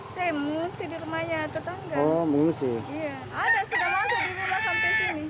ada sudah masuk di rumah sampai sini